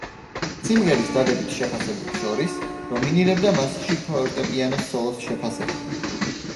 სიმღერის დადებით შეფასებებს შორის დომინირებდა მასში ფორტეპიანოს სოლოს შეფასება.